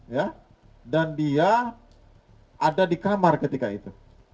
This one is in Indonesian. ya dan dia ada di kamar ketika itu